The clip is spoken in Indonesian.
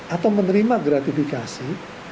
atau menerima gratifikasi